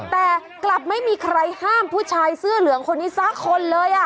แต่กลับไม่มีใครห้ามผู้ชายเสื้อเหลืองคนนี้สักคนเลย